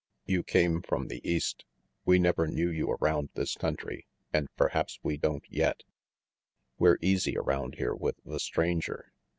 You came from the East. We never knew you around this country and perhaps we don't yet. We're easy around here with the stranger.